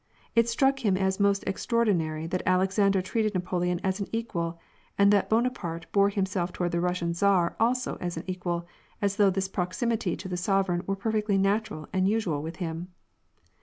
It struck him as most extraordinary that Alex ander treated Napoleon as an equal, and that Bonaparte bore himself toward the Russian tsar also as an equal, as though this proximity to the sovereign were perfectly natural and usual with him.